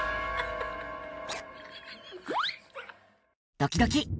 ドキドキ。